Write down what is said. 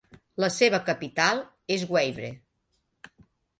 La seva capital és Wavre.